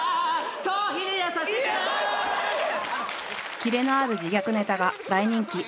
切れのある自虐ネタが大人気。